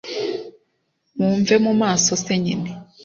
mumve mumaso se nyine